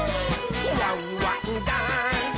「ワンワンダンス！」